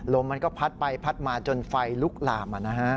ลมมันก็พัดไปพัดมาจนไฟลุกลาม